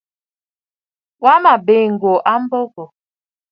Wa mə̀ biì ŋ̀gòò a mbo wò.